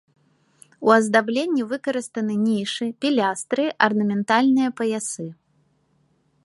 У аздабленні выкарыстаны нішы, пілястры, арнаментальныя паясы.